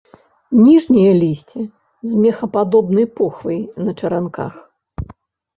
Ніжняе лісце з мехападобнай похвай, на чаранках.